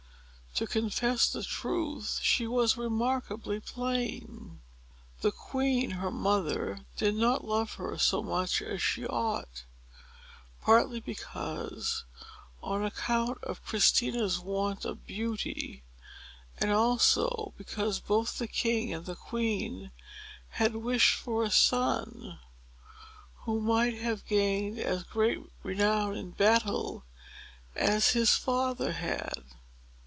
To confess the truth, she was remarkably plain. The queen, her mother, did not love her so much as she ought; partly, perhaps, on account of Christina's want of beauty, and also, because both the king and queen had wished for a son, who might have gained as great renown in battle as his father had.